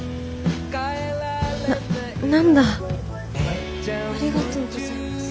な何だありがとうございます。